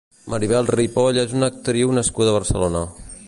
Maribel Ripoll és una actriu nascuda a Barcelona.